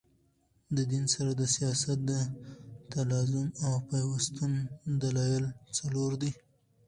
د دین سره د سیاست د تلازم او پیوستون دلایل څلور دي.